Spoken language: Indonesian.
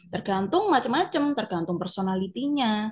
tergantung macam macam tergantung personalitinya